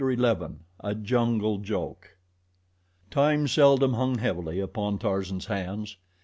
11 A Jungle Joke TIME SELDOM HUNG heavily upon Tarzan's hands.